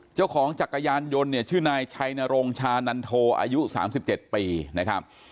เจ้าของจักรยานยนต์ชื่อนายชัยนโรงชานันโทอายุ๓๗ปี